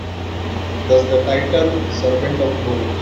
Thus the title, Servant of the Bones.